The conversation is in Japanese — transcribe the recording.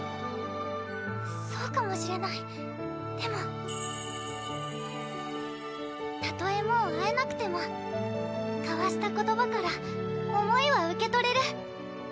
そうかもしれないでもたとえもう会えなくても交わした言葉から思いは受け取れる